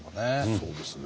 そうですね。